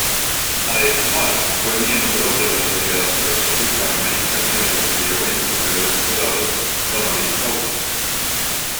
Además fue miembro de la Sociedad Filosófica Americana y recibió veintinueve doctorados honoris causa.